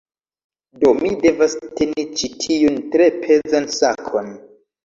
Do, mi devas teni ĉi tiun, tre pezan sakon